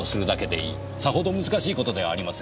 さほど難しい事ではありません。